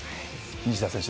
西田選手